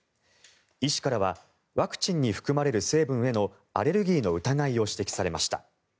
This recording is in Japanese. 医師からはワクチンに含まれる成分へのアレルギーの疑いを指摘されました。